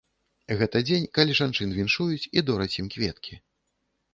Гэта дзень, калі жанчын віншуюць і дораць ім кветкі.